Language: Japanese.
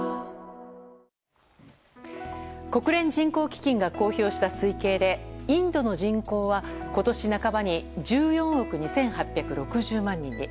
国連人口基金が公表した推計でインドの人口は今年半ばに１４億２８６０万人に。